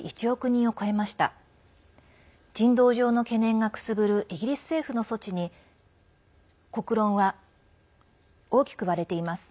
人道上の懸念がくすぶるイギリス政府の措置に国論は大きく割れています。